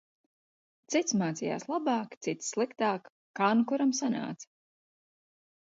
Cits mācījās labāk, cits - sliktāk, kā nu kuram sanāca.